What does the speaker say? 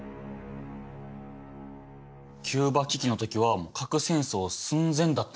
キューバ危機の時は核戦争寸前だったんですね。